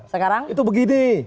sekarang itu begini